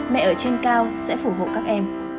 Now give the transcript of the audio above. mẹ ở trên cao sẽ phù hộ các em